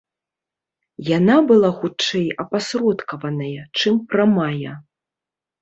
Яна была, хутчэй, апасродкаваная, чым прамая.